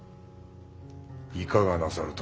いかがなさる殿。